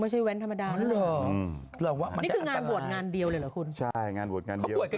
หรือว่ามันจะอัตราย